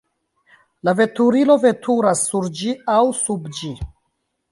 La veturilo veturas sur ĝi aŭ sub ĝi.